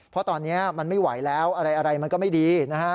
เพราะตอนนี้มันไม่ไหวแล้วอะไรมันก็ไม่ดีนะฮะ